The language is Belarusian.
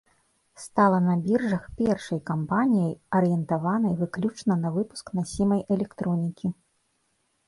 Стала на біржах першай кампаніяй, арыентаванай выключна на выпуск насімай электронікі.